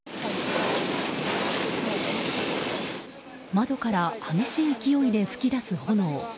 窓から激しい勢いで噴き出す炎。